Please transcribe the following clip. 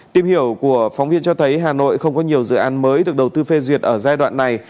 tìm hiểu của phóng viên cho thấy hà nội không có nhiều dự án mới được đầu tư phê duyệt ở giai đoạn này